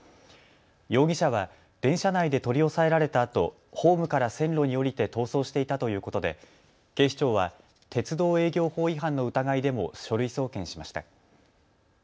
容疑者は電車内で取り押さえられたあとホームから線路に降りて逃走していたということで警視庁は鉄道営業法違反の疑いでも書類送検しました。